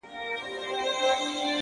په هغه ورځ به بس زما اختر وي”